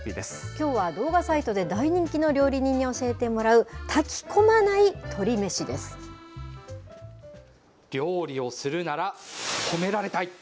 きょうは動画サイトで大人気の料理人に教えてもらう、炊きこ料理をするなら、褒められたい。